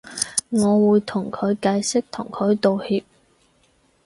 我會同佢解釋同佢道歉